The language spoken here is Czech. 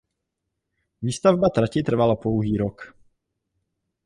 Výstavba trati trvala pouhý rok.